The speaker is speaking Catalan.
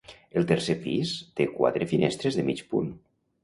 El tercer pis té quatre finestres de mig punt.